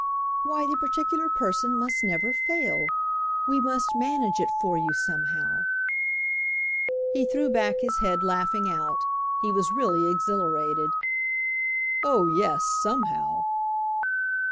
"Why the particular person must never fail. We must manage it for you somehow." He threw back his head, laughing out; he was really exhilarated. "Oh yes, somehow!"